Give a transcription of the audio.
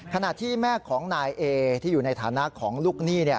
ขณะที่แม่ของนายเอที่อยู่ในฐานะของลูกหนี้